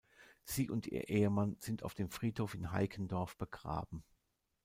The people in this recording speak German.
Sie und ihr Ehemann sind auf dem Friedhof in Heikendorf begraben.